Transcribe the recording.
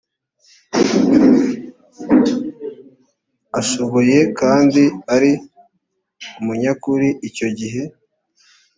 ashoboye kandi ari umunyakuri icyo gihe